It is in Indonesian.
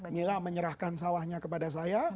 mila menyerahkan sawahnya kepada saya